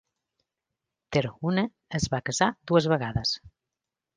Terhune es va casar dues vegades.